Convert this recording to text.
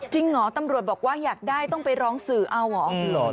เหรอตำรวจบอกว่าอยากได้ต้องไปร้องสื่อเอาเหรอ